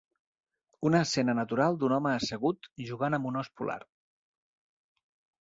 Una escena natural d'un home assegut jugant amb un os polar.